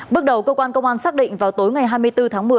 bước đầu cơ quan công an xác định vào tối ngày hai mươi bốn tháng một mươi